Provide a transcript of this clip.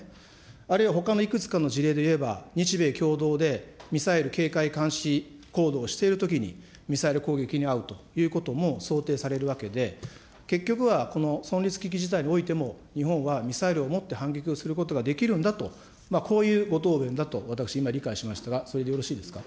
あるいはほかのいくつかの事例で言えば、日米共同でミサイル警戒監視行動をしているときに、ミサイル攻撃に遭うということも想定されるわけで、結局はこの存立危機事態においても、日本はミサイルを持って反撃をすることができるんだと、こういうご答弁だと、私今、理解しましたが、それでよろしいですか。